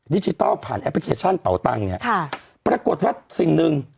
ดิจิทัลผ่านแอปพลิเคชันเป่าตังเนี่ยค่ะปรากฏว่าสิ่งหนึ่ง